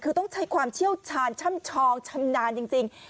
คือต้องใช้ความเชี่ยวชาญช่ำชองชำนาญจริง